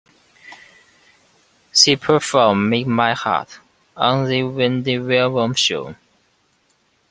She performed "Make My Heart" on "The Wendy Williams Show".